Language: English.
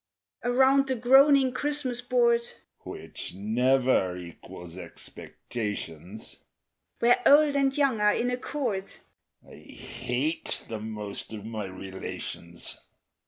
_) Around the groaning Christmas board, (Which never equals expectations,) Where old and young are in accord (_I hate the most of my relations!